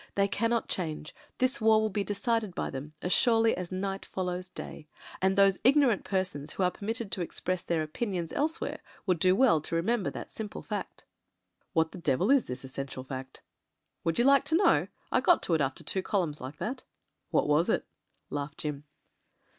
They cannot change : this war will be decided by them as surely as night follows day ; and those ignorant per sons who are permitted to express their opinions else where would do well to remember that simple fact.' "What the devil is this essential fact ?" "Would you like to know? I got to it after two columns like that." "What was it ?" laughed Jim.